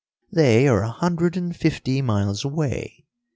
"They are a hundred and fifty miles away.